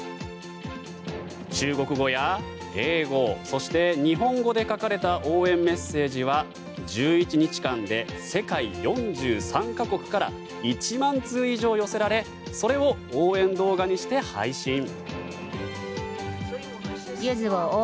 中国語や、英語そして日本語で書かれた応援メッセージは１１日間で世界４３か国から１万通以上寄せられそれを応援動画にして配信。